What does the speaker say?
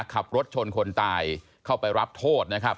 ขับรถชนคนตายเข้าไปรับโทษนะครับ